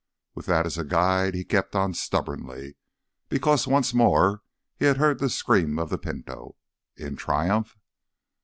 With that as a guide he kept on stubbornly, because once more he had heard the scream of the Pinto. In triumph?